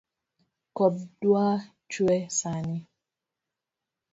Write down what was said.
Koth dwa chwee sani